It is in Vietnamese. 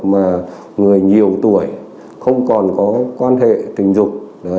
mà người nhiều tuổi không còn có quan hệ tình dục